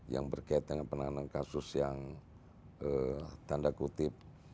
yang berkaitan dengan penanganan kasus yang tanda kutip